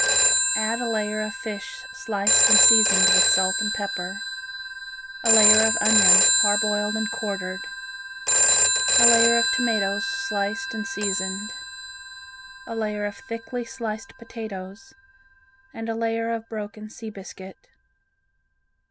Add a layer of fish sliced and seasoned with salt and pepper, a layer of onions parboiled and quartered, a layer of tomatoes sliced and seasoned, a layer of thickly sliced potatoes and a layer of broken sea biscuit.